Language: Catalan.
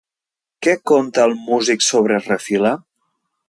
Què conta el músic sobre Refila?